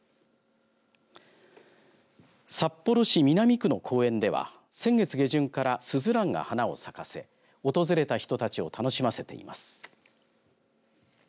札幌市南区の公園では先月下旬からスズランが花を咲かせ訪れた人たちを楽しませています。